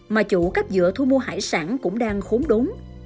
mà chủ cắp dựa thu mua hải sản cũng đang khốn đốn